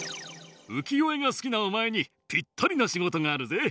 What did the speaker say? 浮世絵が好きなお前にピッタリな仕事があるぜ。